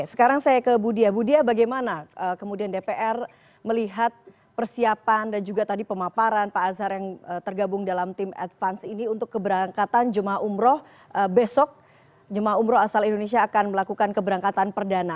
sekarang saya ke bu dia budiah bagaimana kemudian dpr melihat persiapan dan juga tadi pemaparan pak azhar yang tergabung dalam tim advance ini untuk keberangkatan jemaah umroh besok jemaah umroh asal indonesia akan melakukan keberangkatan perdana